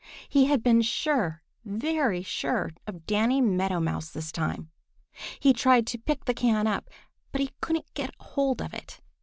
He had been sure, very sure of Danny Meadow Mouse this time! He tried to pick the can up, but he couldn't get hold of it.